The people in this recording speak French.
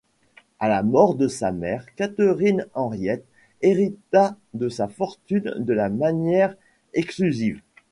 À la mort de sa mère, Catherine-Henriette hérita de sa fortune de manière exclusive.